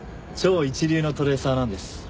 超一流のトレーサーなんです。